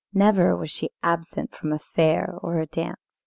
Never was she absent from a fair or a dance.